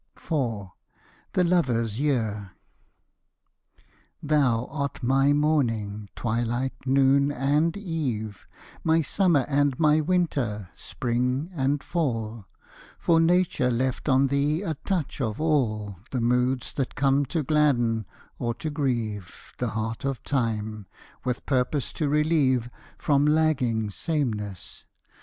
IV. THE LOVER'S YEAR Thou art my morning, twilight, noon, and eve, My Summer and my Winter, Spring and Fall; For Nature left on thee a touch of all The moods that come to gladden or to grieve The heart of Time, with purpose to relieve From lagging sameness.